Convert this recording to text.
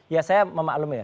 ya saya memaklumi ya